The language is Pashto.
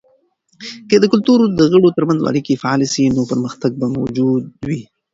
که د کلتور د غړو ترمنځ اړیکې فعاله سي، نو پرمختګ به موجود وي.